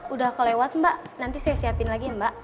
udah kelewat mbak nanti saya siapin lagi mbak